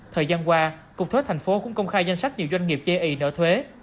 thời gian qua cục thuế thành phố cũng công khai danh sách nhiều doanh nghiệp chê ý nợ thuế